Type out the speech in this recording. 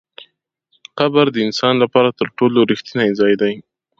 قبر د انسان لپاره تر ټولو رښتینی ځای دی.